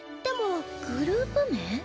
でも「グループ名」？